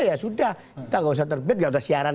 ya sudah kita nggak usah terbit gak usah siaran